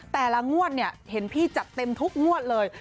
แต่ละงวดเนี่ยเห็นพี่จัดเต็มทุกงวดเลย